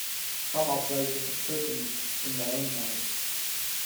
Some are places of pilgrimage in their own right.